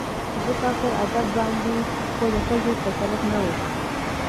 ځکه پر ادب باندې خو د ښځې تسلط نه و